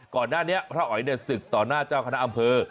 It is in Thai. ก่อนหน้านี้พระอ๋อยศึกต่อหน้าเจ้าคณะอำเภอ